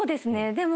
でも。